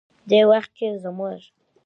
دې وخت کې زموږ